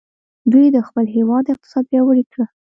دوی د خپل هیواد اقتصاد پیاوړی کړ.